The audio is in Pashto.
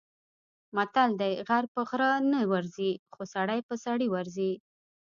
متل دی: غر په غره نه ورځي، خو سړی په سړي ورځي.